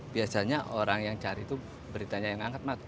biasanya orang yang cari itu beritanya yang angkat mati